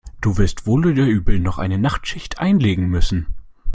Du wirst wohl oder übel noch eine Nachtschicht einlegen müssen.